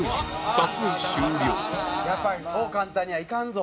やっぱりそう簡単にはいかんぞ。